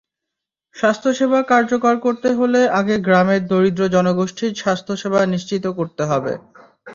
স্বাস্থ্যসেবা কার্যকর করতে হলে আগে গ্রামের দরিদ্র জনগোষ্ঠীর স্বাস্থ্যসেবা নিশ্চিত করতে হবে।